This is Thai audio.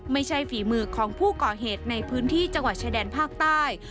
ฝีมือของผู้ก่อเหตุในพื้นที่จังหวัดชายแดนภาคใต้